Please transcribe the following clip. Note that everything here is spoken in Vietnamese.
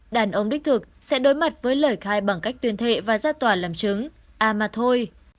đàn ông đích thực sẽ đối mặt với lời khai bằng cách tuyên thệ và ra tòa làm chứng à mà thôi